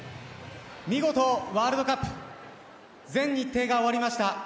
見事、ワールドカップ全日程が終わりました。